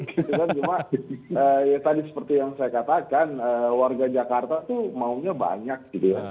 cuma ya tadi seperti yang saya katakan warga jakarta itu maunya banyak